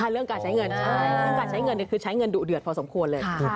เรื่องการใช้เงินคือใช้เงินดุเดือดพอสมควรเลย